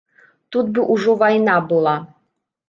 Тут бы ўжо вайна была.